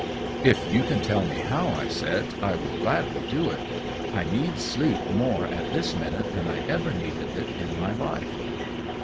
"If you can tell me how," I said, "I will gladly do it. I need sleep more at this minute than I ever needed it in my life."